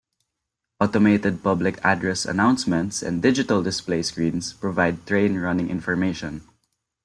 Automated public address announcements and digital display screens provide train running information.